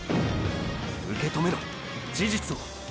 受けとめろ事実を！！